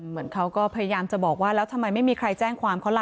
เหมือนเขาก็พยายามจะบอกว่าแล้วทำไมไม่มีใครแจ้งความเขาล่ะ